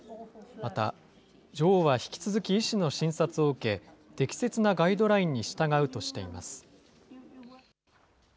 また女王は引き続き医師の診察を受け、適切なガイドラインに従うとしています。